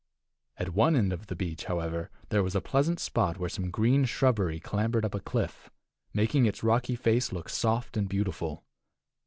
At one end of the beach, however, there was a pleasant spot where some green shrubbery clambered up a cliff, making its rocky face look soft and beautiful.